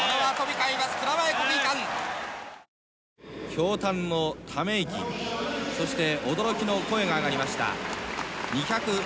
驚嘆のため息そして驚きの声が上がりました。